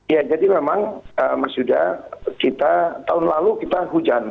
ya jadi memang mas yuda kita tahun lalu kita hujan